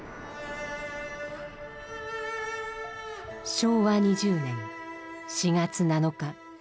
昭和２０年４月７日。